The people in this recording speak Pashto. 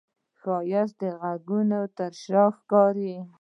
ښایست د غږونو تر شا ښکاري